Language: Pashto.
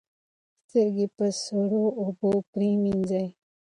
سترګې په سړو اوبو پریمنځئ.